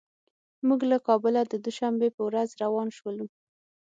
موږ له کابله د دوشنبې په ورځ روان شولو.